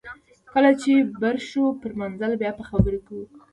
کله چې بر شو پر منزل بیا به خبرې کوو